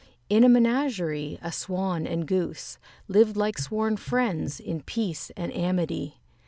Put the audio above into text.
In a menagerie a Swan and Goose Lived like sworn friends, in peace and amity.